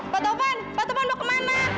pak taufan pak tovan mau kemana